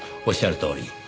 おっしゃるとおり。